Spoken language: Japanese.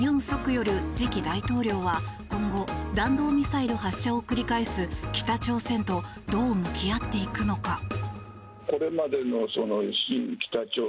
ソクヨル次期大統領は今後弾道ミサイル発射を繰り返す北朝鮮とどう向き合っていくのか。